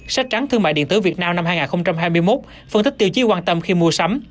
sách trắng thương mại điện tử việt nam năm hai nghìn hai mươi một phân tích tiêu chí quan tâm khi mua sắm